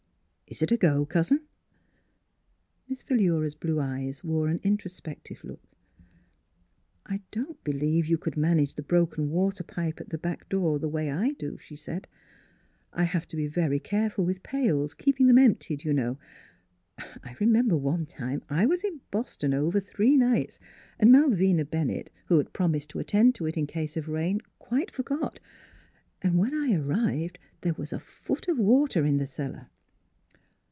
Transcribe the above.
"Is it a go, cousin?" Miss Philura's blue eyes wore an intro spective look. " I don't believe you could manage the broken water pipe at the back door the way I do," she said. " I have to be very careful with pails, keeping them emptied, you know. I remember one time I was in Boston over three nights and Malvina Bennett, who had promised to attend to it, in case of rain, quite forgot. And when I arrived, there was a foot of water in the cellar."